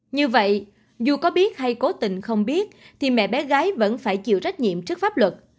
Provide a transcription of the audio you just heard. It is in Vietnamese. như vậy dù có biết hay cố tình không biết thì mẹ bé gái vẫn phải chịu trách nhiệm trước pháp luật